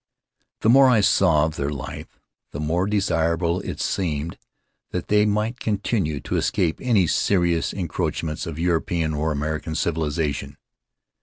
The more I saw of their life, the more desirable it seemed that they might continue to escape any serious encroachments of European or American civilization.